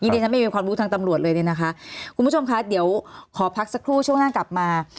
ดิฉันไม่มีความรู้ทางตำรวจเลยเนี่ยนะคะคุณผู้ชมคะเดี๋ยวขอพักสักครู่ช่วงหน้ากลับมา